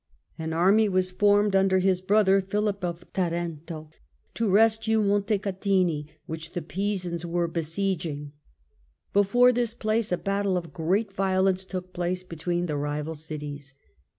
An army was formed under his brother, Philip of Tarento, to rescue Montecatini which the Pisans were besieging. Battle of Before this place a battle of great violence took place tini between the rival cities.